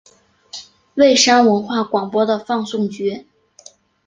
蔚山文化广播的放送局。